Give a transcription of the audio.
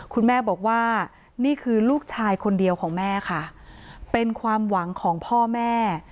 คุณแม่บอกว่านี่คือลูกชายคนเดียวของแม่ค่ะเป็นความหวังของพ่อแม่